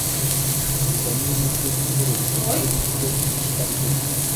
uzanire uwiteka ituro rikozwe rityo rishy rwe